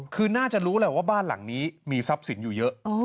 คือน่าจะรู้แหละว่าบ้านหลังนี้มีทรัพย์สินอยู่เยอะ